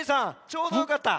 ちょうどよかった。